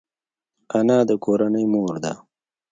انا د کورنۍ مور ده